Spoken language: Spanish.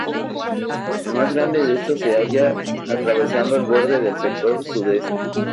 El más grande de estos se halla atravesando el borde del sector sudeste.